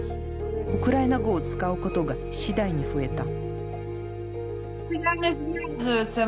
ウクライナ語を使うことが次第に増えた。